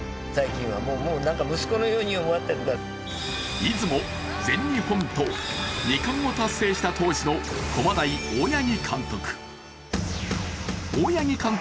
出雲、全日本と２冠を達成した当時の駒大・大八木監督。